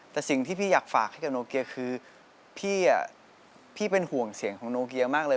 แต่สิ่งที่พี่อยากฝากให้กับโนเกียคือพี่เป็นห่วงเสียงของโนเกียมากเลย